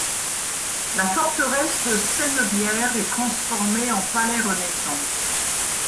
La forteresse de Cénevières est transformée en palais Renaissance.